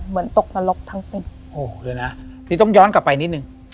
เหมือนตกนรกทั้งเป็นโอ้โหเลยนะนี่ต้องย้อนกลับไปนิดหนึ่ง